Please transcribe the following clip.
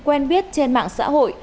quen biết trên mạng xã hội